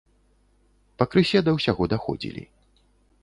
Пакрысе да ўсяго даходзілі.